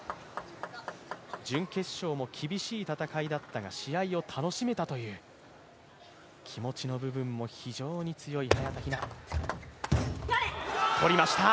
準決勝も厳しい戦いだったが、試合を楽しめたという気持ちの部分も非常に強い早田ひな。